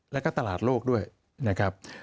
แล้วก็ตลาดโลกด้วยนะครับ